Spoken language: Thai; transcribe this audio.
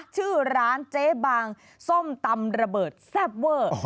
ชื่อร้านเจ๊บางส้มตำระเบิดแซ่บเวอร์